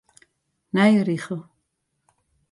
Nije rigel.